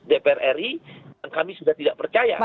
dpr ri dan kami sudah tidak percaya